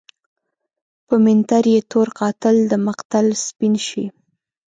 په منتر يې تور قاتل دمقتل سپين شي